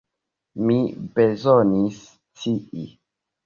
Mi bezonis scii!